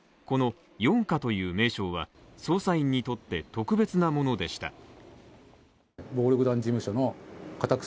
この四課という名称は、捜査員にとって特別なものでした。